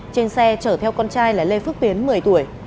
trên xe chở theo con trai là lê phước tuyến một mươi tuổi